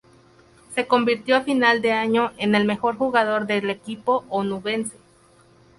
Se convirtió a final de año en el mejor jugador del equipo onubense.